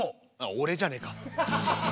俺じゃねえか。